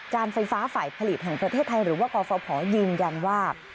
ไฟฟ้าฝ่ายผลิตแห่งประเทศไทยหรือว่ากฟภยืนยันว่า